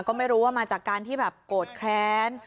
ก็ไม่รู้ว่ามาจากการที่แบบโกรธแค้น